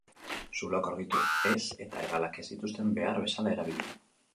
Zuloak aurkitu ez eta hegalak ez zituzten behar bezala erabili.